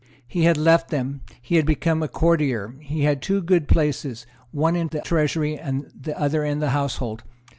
He had left them; he had become a courtier; he had two good places, one in the Treasury, the other in the household.